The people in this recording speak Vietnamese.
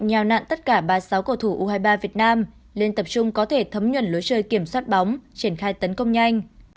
nhào nạn tất cả ba mươi sáu cầu thủ u hai mươi ba việt nam lên tập trung có thể thấm nhuẩn lối chơi kiểm soát bóng triển khai tấn công nhanh